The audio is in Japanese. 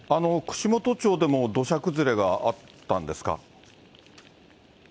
串本町でも土砂崩れがあったんですか？